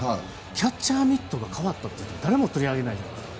キャッチャーミットがかわった時誰も取り上げないじゃないですか。